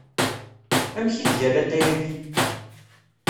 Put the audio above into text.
Amek it-ga latay agi?